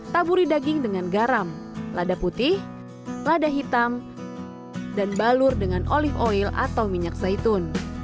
taburi daging dengan garam lada putih lada hitam dan balur dengan olive oil atau minyak zaitun